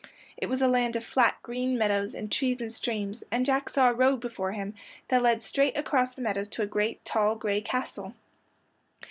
It was a land of flat green meadows and trees and streams, and Jack saw a road before him that led straight across the meadows to a great tall gray castle.